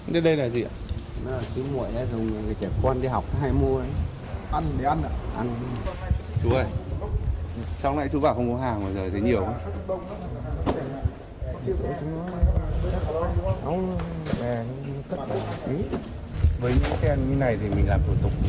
với những xe như này thì mình làm thủ tục nhanh chậm